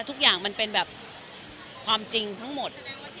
ทุกอย่างมันเป็นแบบความจริงทั้งหมด